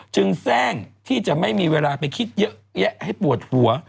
แทร่งที่จะไม่มีเวลาไปคิดเยอะแยะให้ปวดหัว